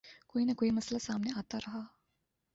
کوئی نہ کوئی مسئلہ سامنے آتا رہا۔